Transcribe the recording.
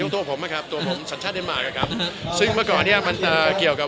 ทำส่วนต่อส่วนลูกไม่เกี่ยวครับ